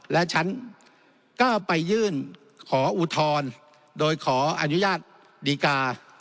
และฉันก็ไปยื่นขออุทธรณ์โดยขออนุญาตดีกา